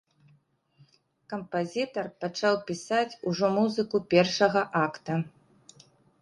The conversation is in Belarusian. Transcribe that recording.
Кампазітар пачаў пісаць ужо музыку першага акта.